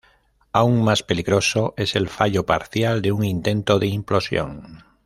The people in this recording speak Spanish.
Aún más peligroso es el fallo parcial de un intento de implosión.